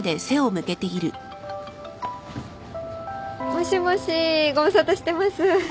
もしもしご無沙汰してます。